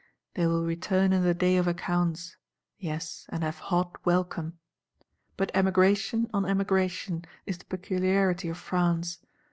They will return in the day of accounts! Yes, and have hot welcome.—But Emigration on Emigration is the peculiarity of France.